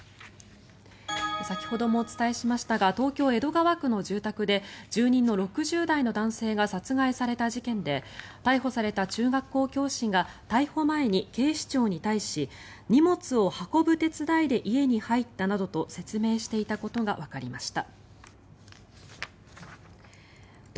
先ほどもお伝えしましたが東京・江戸川区の住宅で住人の６０代の男性が殺害された事件で逮捕された中学校教師が逮捕前に警視庁に対し荷物を運ぶ手伝いで家に入ったなどと説明していたことがわかりました。